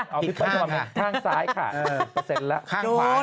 อ้าวพี่เปิ้ลเข้ามาข้างซ้ายค่ะเปอร์เซ็นต์ล่ะ